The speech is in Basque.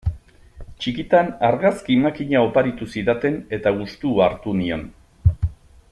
Txikitan argazki makina oparitu zidaten eta gustua hartu nion.